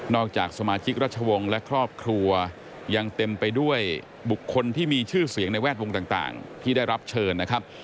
จากสมาชิกรัชวงศ์และครอบครัวยังเต็มไปด้วยบุคคลที่มีชื่อเสียงในแวดวงต่างที่ได้รับเชิญนะครับ